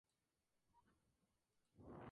Ambos líderes tienen un equipo en un viaje a Europa.